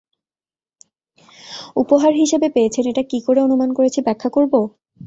উপহার হিসেবে পেয়েছেন এটা কী করে অনুমান করেছি, ব্যাখ্যা করব?